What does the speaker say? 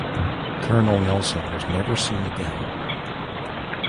Colonel Nelson was never seen again.